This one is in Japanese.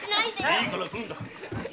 いいから来るんだ！